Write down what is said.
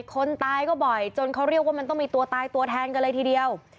คนตายก็บ่อยจนเขาเรียกว่ามันต้องมีตัวตายตัวแทนกันเลยทีเดียว